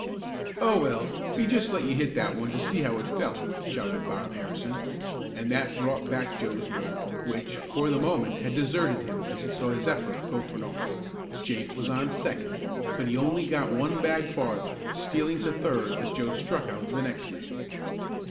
"Oh, well, we just let you hit that one to see how it felt," shouted Bob Harrison, and that brought back Joe's nerve, which, for the moment, had deserted him as he saw his effort go for naught. Jake was on second, but he only got one bag farther, stealing to third as Joe struck out the next man.